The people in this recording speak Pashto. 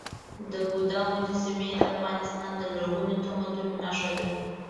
د بودا مجسمې د افغانستان د لرغوني تمدن نښه ده.